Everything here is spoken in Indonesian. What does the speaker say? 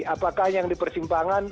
apakah yang di persimpangan